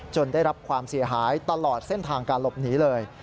ได้รับความเสียหายตลอดเส้นทางการหลบหนีเลย